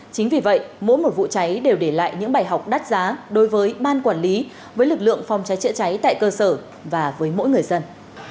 chính vì vậy mỗi một vụ cháy đều để lại những bài học đắt giá đối với ban quản lý với lực lượng phòng cháy chữa cháy tại cơ sở và với mỗi người dân